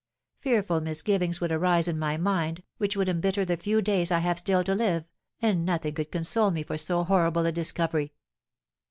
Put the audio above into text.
Fearful misgivings would arise in my mind, which would embitter the few days I have still to live, and nothing could console me for so horrible a discovery.'